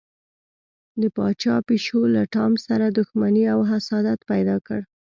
د پاچا پیشو له ټام سره دښمني او حسادت پیدا کړ.